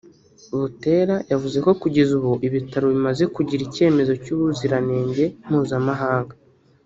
Butera yavuzeko kugeza ubu ibitaro bimaze kugira ikemezo cy’ubuziranenge mpuzamahanga